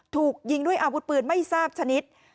ถูกยิงด้วยอาวุธปืนไม่ทราบชนิด